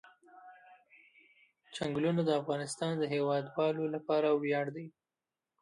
چنګلونه د افغانستان د هیوادوالو لپاره ویاړ دی.